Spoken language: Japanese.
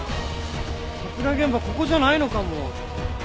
殺害現場はここじゃないのかも。